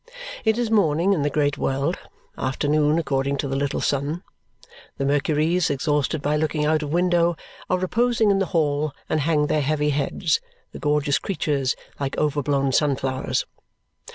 It is morning in the great world, afternoon according to the little sun. The Mercuries, exhausted by looking out of window, are reposing in the hall and hang their heavy heads, the gorgeous creatures, like overblown sunflowers.